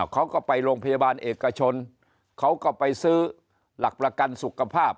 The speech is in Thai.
เขาก็ไปโรงพยาบาลเอกชนเขาก็ไปซื้อหลักประกันสุขภาพ